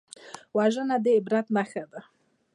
وژنه د عبرت نښه ده